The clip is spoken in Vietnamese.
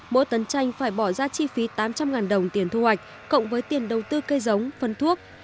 mỗi tấn chanh phải bỏ ra chi phí tám trăm linh đồng tiền thu hoạch cộng với tiền đầu tư cây giống phân thuốc